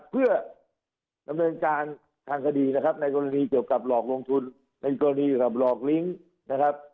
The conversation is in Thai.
เพื่อนำเนินการทางคดีในกรณีเกี่ยวกับหลอกลงทุนหลอกลิ้งซ์นะครับ